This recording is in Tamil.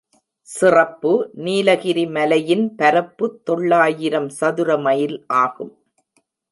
சிறப்பு நீலகிரி மலையின் பரப்பு தொள்ளாயிரம் சதுர மைல் ஆகும்.